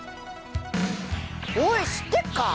おい知ってっか？